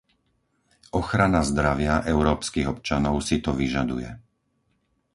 Ochrana zdravia európskych občanov si to vyžaduje.